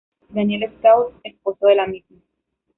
Daniel Scout, esposo de la misma.